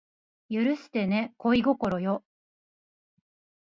許してね恋心よ